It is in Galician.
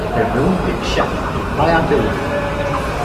Pero pregunte xa, vaia á pregunta.